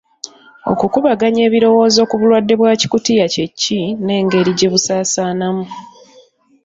Okukubaganya ebirowoozo ku bulwadde bwa Kikutiya kye ki n'engeri gye busaasaanamu